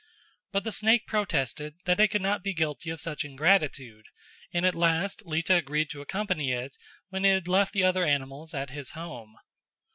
But the snake protested that it could not be guilty of such ingratitude and at last Lita agreed to accompany it when he had left the other animals at his home.